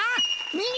みんな！